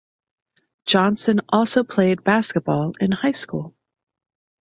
Johnson also played basketball in high school.